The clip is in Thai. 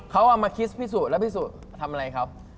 เขาเอามาคิดพิสูจนแล้วพี่สุทำอะไรครับ